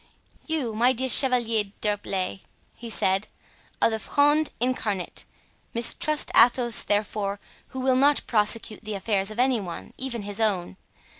"You, my dear Chevalier d'Herblay," he said, "are the Fronde incarnate. Mistrust Athos, therefore, who will not prosecute the affairs of any one, even his own.